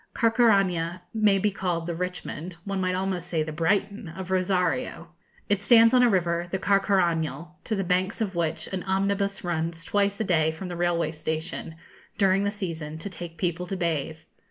Carcaraña may be called the Richmond one might almost say the Brighton of Rosario. It stands on a river, the Carcarañal, to the banks of which an omnibus runs twice a day from the railway station, during the season, to take people to bathe.